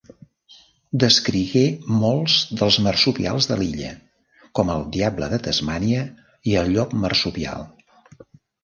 Descrigué molts dels marsupials de l'illa, com el diable de Tasmània i el llop marsupial.